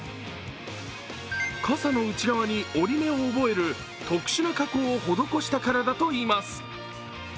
傘の内側に折り目を覚える特殊な加工を施したからだといいます。